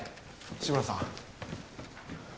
志村さん